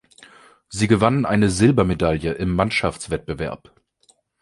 Sie gewannen eine Silbermedaille im Mannschaftswettbewerb.